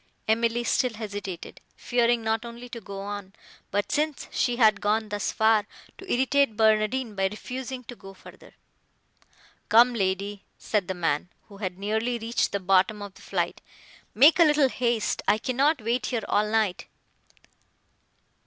Emily still hesitated; fearing not only to go on, but, since she had gone thus far, to irritate Barnardine by refusing to go further. "Come, lady," said the man, who had nearly reached the bottom of the flight, "make a little haste; I cannot wait here all night."